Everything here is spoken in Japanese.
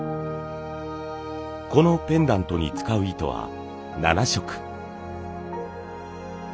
このペンダントに使う糸は７色。